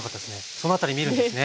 その辺り見るんですね。